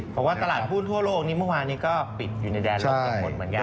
เพราะว่าตลาดหุ้นทั่วโลกนี้เมื่อวานนี้ก็ปิดอยู่ในแดนรอบ๗คนเหมือนกัน